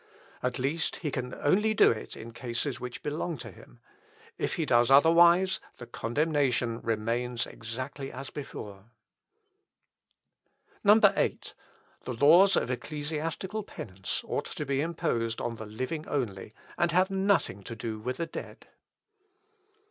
At least he can only do it in cases which belong to him. If he does otherwise, the condemnation remains exactly as before. 8. "The laws of ecclesiastical penance ought to be imposed on the living only, and have nothing to do with the dead.